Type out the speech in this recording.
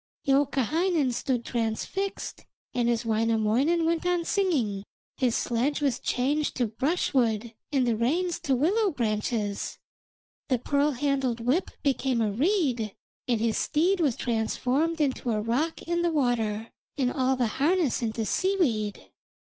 Youkahainen stood transfixed, and as Wainamoinen went on singing his sledge was changed to brushwood and the reins to willow branches, the pearl handled whip became a reed, and his steed was transformed into a rock in the water, and all the harness into seaweed.